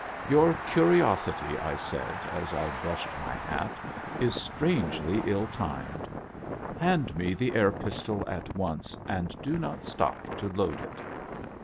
"Your curiosity," I said as I brushed my hat, "is strangely ill limed. Hand me the air pistol at once, and do not stop to load it